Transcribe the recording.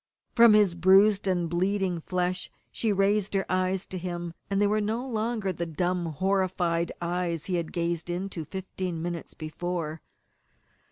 From his bruised and bleeding flesh she raised her eyes to him, and they were no longer the dumb, horrified eyes he had gazed into fifteen minutes before.